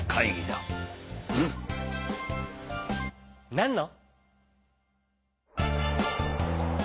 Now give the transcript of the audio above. なんの？